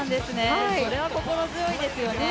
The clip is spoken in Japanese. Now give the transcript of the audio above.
それは心強いですよね。